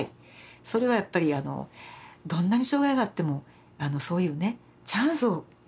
それはやっぱりどんなに障害があってもそういうねチャンスをくれないかと。